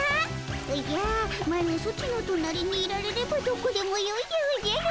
おじゃマロソチの隣にいられればどこでもよいでおじゃる。